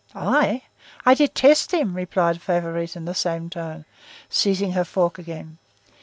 "I? I detest him," replied Favourite in the same tone, seizing her fork again.